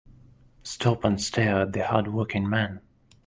Stop and stare at the hard working man.